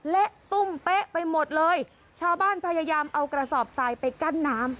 ตุ้มเป๊ะไปหมดเลยชาวบ้านพยายามเอากระสอบทรายไปกั้นน้ำ